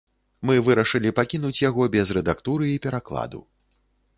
Мы вырашылі пакінуць яго без рэдактуры і перакладу.